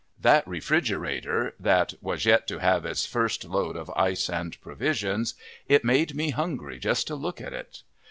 That refrigerator, that was yet to have its first load of ice and provisions it made me hungry just to look at it!